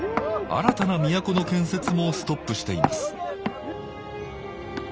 新たな都の建設もストップしています